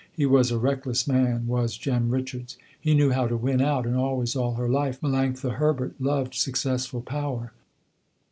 He was a reckless man was Jem Richards. He knew how to win out, and always all her life, Melanctha Herbert loved successful power.